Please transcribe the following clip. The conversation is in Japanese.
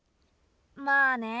まあね。